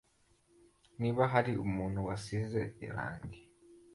Niba hari umuntu wansize irangi